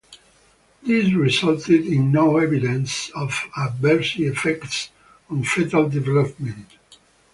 This resulted in no evidence of adverse effects on fetal development.